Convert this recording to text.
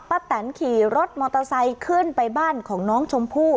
แตนขี่รถมอเตอร์ไซค์ขึ้นไปบ้านของน้องชมพู่